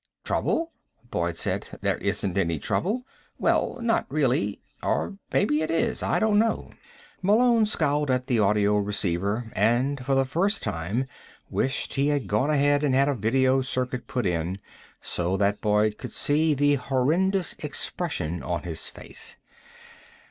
"Trouble?" Boyd said. "There isn't any trouble. Well, not really. Or maybe it is. I don't know." Malone scowled at the audio receiver, and for the first time wished he had gone ahead and had a video circuit put in, so that Boyd could see the horrendous expression on his face.